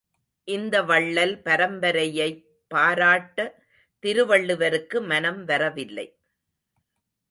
இந்த வள்ளல் பரம்பரையைப் பாராட்ட திருவள்ளுவருக்கு மனம் வரவில்லை.